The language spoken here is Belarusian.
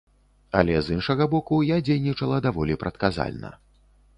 Але, з іншага боку, я дзейнічала даволі прадказальна.